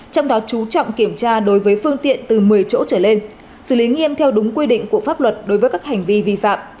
trong đó chú trọng kiểm tra đối với phương tiện từ một mươi chỗ trở lên xử lý nghiêm theo đúng quy định của pháp luật đối với các hành vi vi phạm